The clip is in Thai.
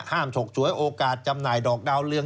ฉกฉวยโอกาสจำหน่ายดอกดาวเรือง